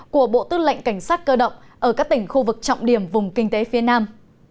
của bộ tư lệnh cảnh sát cơ động ở các tỉnh khu vực trọng điểm vùng kinh tế phía nam